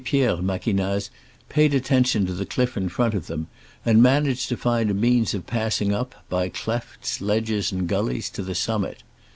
Pierre ftjla quignaz paid attention to the cliff in front of them, and managed to find a means of passing up, by clefts, ledges and gullies, to the summit.